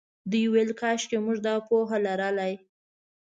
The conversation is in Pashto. دوی ویل کاشکې موږ دا پوهه لرلای.